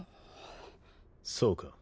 そうか。